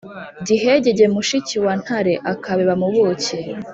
Gihegege mushiki wa Ntare-Akabeba mu buki.